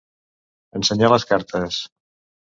Ensenyar les cartes.